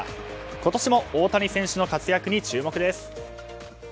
今年も大谷選手の活躍に注目です。